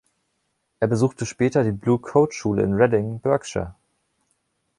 Er besuchte später die Blue-Coat-Schule in Reading, Berkshire.